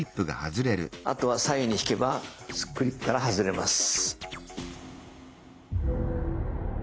あとは左右に引けばクリップから外れます。